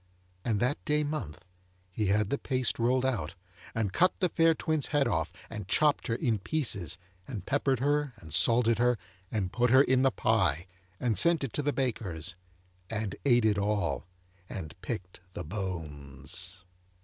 And that day month, he had the paste rolled out, and cut the fair twin's head off, and chopped her in pieces, and peppered her, and salted her, and put her in the pie, and sent it to the baker's, and ate it all, and picked the bones.